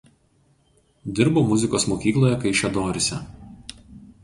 Dirbo muzikos mokykloje Kaišiadoryse.